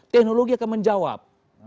teknologi akan menjawab